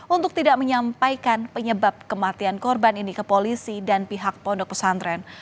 untuk tidak menyampaikan penyebab kematian korban ini ke polisi dan pihak pondok pesantren